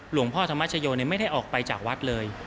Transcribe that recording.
หลวงพ่อธรรมชโยไม่ได้ออกไปจากวัดเลย